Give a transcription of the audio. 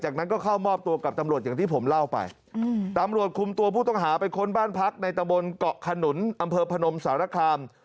ขนุนอำเภอพนมสหรัฐคลาม